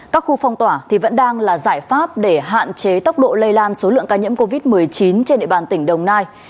các khu phong tỏa vẫn đang là giải pháp để hạn chế tốc độ lây lan số lượng ca nhiễm covid một mươi chín trên địa bàn tỉnh đồng nai